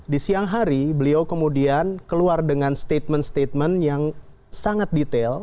di siang hari beliau kemudian keluar dengan statement statement yang sangat detail